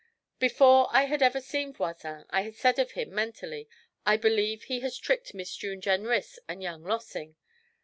Before I had ever seen Voisin I had said of him, mentally, 'I believe he has tricked Miss June Jenrys and young Lossing.'